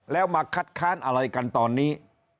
แล้วมาคัดค้านอะไรกันตอนนี้